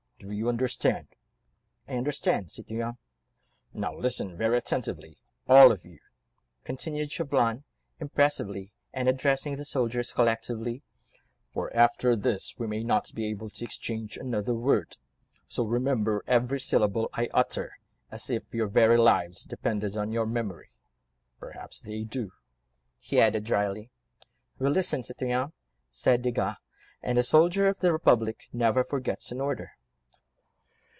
Do you understand?" "I understand, citoyen." "Now listen very attentively, all of you," continued Chauvelin, impressively, and addressing the soldiers collectively, "for after this we may not be able to exchange another word, so remember every syllable I utter, as if your very lives depended on your memory. Perhaps they do," he added drily. "We listen, citoyen," said Desgas, "and a soldier of the Republic never forgets an order."